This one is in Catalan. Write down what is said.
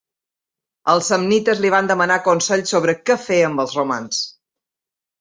Els samnites li van demanar consell sobre que fer amb els romans.